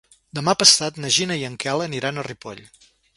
Demà passat na Gina i en Quel aniran a Ripoll.